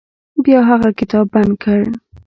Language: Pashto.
بیا هغه کتاب بند کړ.